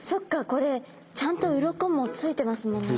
これちゃんとうろこもついてますもんね。